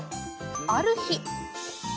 ある日。